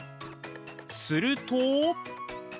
すると。